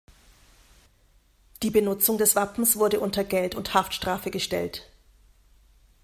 Die Benutzung des Wappens wurde unter Geld- und Haftstrafe gestellt.